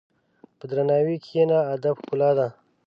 په درناوي کښېنه، ادب ښکلا ده.